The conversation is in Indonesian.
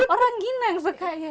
oh rangginang suka ya